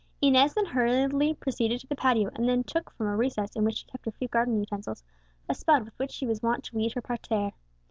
Inez then hurriedly proceeded to the patio, and took, from a recess in which she kept her few garden utensils, a spud with which she was wont to weed her parterre.